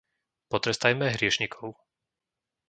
Potrestajme hriešnikov.